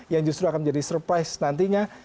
yang justru akan menjadi surprise nantinya